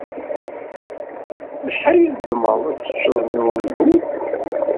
Acḥal i tzemreḍ ad teččeḍ n ungul?